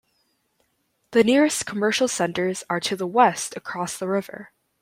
The nearest commercial centres are to the west across the river.